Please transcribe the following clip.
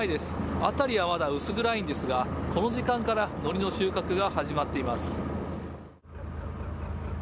辺りはまだ薄暗いんですが、この時間からのりの収穫が始まっています。